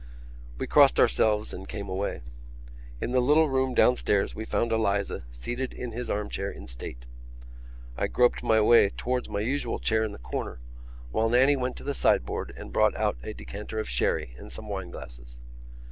We blessed ourselves and came away. In the little room downstairs we found Eliza seated in his arm chair in state. I groped my way towards my usual chair in the corner while Nannie went to the sideboard and brought out a decanter of sherry and some wine glasses.